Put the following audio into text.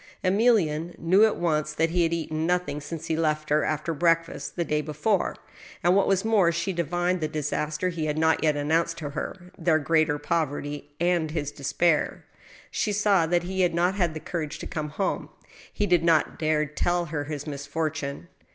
Emilienne knew at once that he had eaten nothing since he left THE BUTCHER'S SHOP. 75 her, after breakfast, the day before, and, what was more, she divined the disaster he had not yet announced to her, their greater poverty, and his despair. She saw that he had not had the courage to come home. He did not dare to tell her his misfortune.